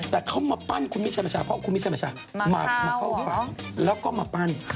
แต่เขามาปั้นคุณมิชัยบัญชาเพราะคุณมิชัยบัญชามาเข้าฝั่งแล้วก็มาปั้น